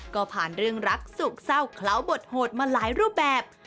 ก็ผ่านเรื่องรักสุขเศร้าเคล้าบทโหดมาหลายรูปแบบ